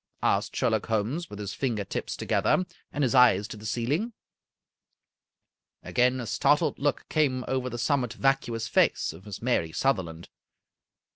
asked Sherlock Holmes, with his finger tips to gether, and his eyes to the ceiling. Again a startled look came over the somewhat vacuous face of Miss Mary Sutherland.